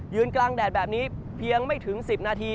กลางแดดแบบนี้เพียงไม่ถึง๑๐นาที